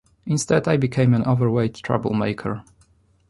Instead, I became an overweight troublemaker.